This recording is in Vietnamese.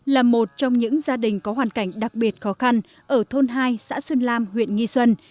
là một trong những gia đình có hoàn cảnh đặc biệt khó khăn ở thôn hai xã xuân lam huyện nghi xuân